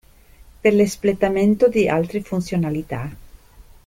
Per l'espletamento di altre funzionalità.